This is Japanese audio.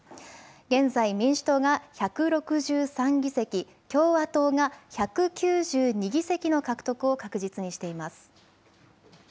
現在、民主党が１６３議席、共和党が１９２議席の獲得を確実にしています。